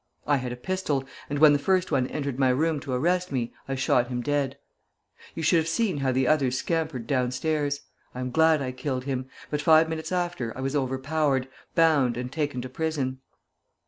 I had a pistol, and when the first one entered my room to arrest me, I shot him dead. You should have seen how the others scampered downstairs. I am glad I killed him. But five minutes after, I was overpowered, bound, and taken to prison.